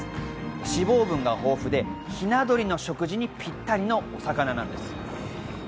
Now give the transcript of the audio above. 脂肪分が豊富で雛鳥の食事にぴったりの魚なんです。